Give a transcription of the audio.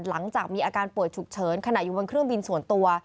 หลังจากมีอาการป่วยฉุกเฉินขณะอยู่บนเครื่องบินส่วนตัว